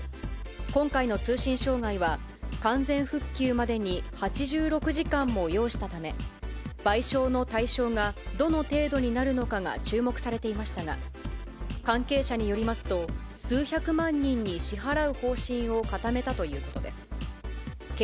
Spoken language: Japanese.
今回の通信障害は、完全復旧までに８６時間も要したため、賠償の対象がどの程度になるのかが注目されていましたが、関係者によりますと、数百万人に支払う方針を固めたということです。